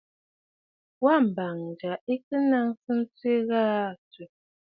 Wa mbəŋ yâ ɨ̀ kɨ nàŋsə ntwìʼi gha aa tswìʼì.